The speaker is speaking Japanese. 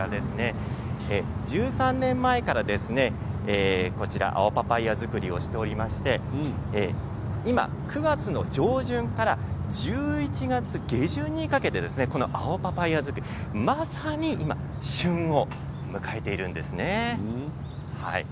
１３年前から青パパイア作りをしておりまして今、９月の上旬から１１月下旬にかけてこの青パパイア作りまさに旬を迎えているんですね。